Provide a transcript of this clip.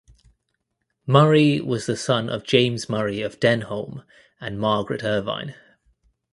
Murray was the son of James Murray of Denholm and Margaret Irvine.